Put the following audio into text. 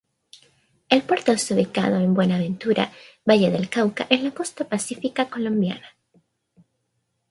El puerto esta ubicado en Buenaventura, Valle del Cauca, en la costa pacífica colombiana.